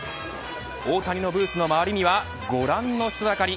大谷のブースの周りにはご覧の人だかり。